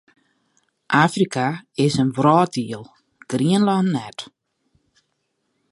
Afrika is in wrâlddiel, Grienlân net.